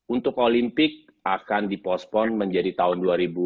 untuk olimpik akan dipostpon menjadi tahun dua ribu satu